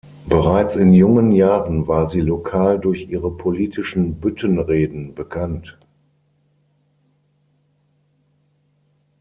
Bereits in jungen Jahren war sie lokal durch ihre politischen Büttenreden bekannt.